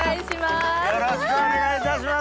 よろしくお願いします。